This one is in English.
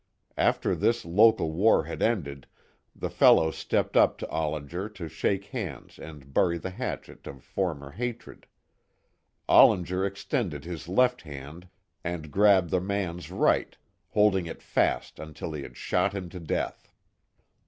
After this local war had ended, the fellow stepped up to Ollinger to shake hands and to bury the hatchet of former hatred. Ollinger extended his left hand, and grabbed the man's right, holding it fast until he had shot him to death.